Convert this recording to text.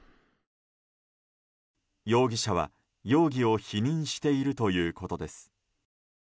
容疑者は、容疑を否認しているということです。